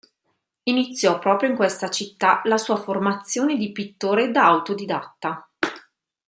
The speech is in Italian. Iniziò proprio in questa città la sua formazione di pittore da autodidatta.